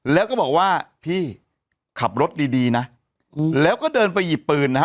แล้วก็บอกว่าพี่ขับรถดีดีนะแล้วก็เดินไปหยิบปืนนะฮะ